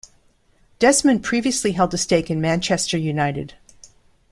Desmond previously held a stake in Manchester United.